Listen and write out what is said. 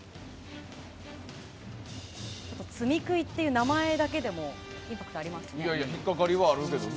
罪喰っていう名前だけでもインパクトがありますね。